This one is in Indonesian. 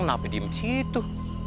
kenapa diem disitu